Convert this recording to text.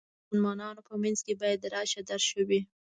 د مسلمانانو په منځ کې باید راشه درشه وي.